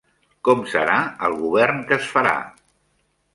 Com serà el govern que es farà?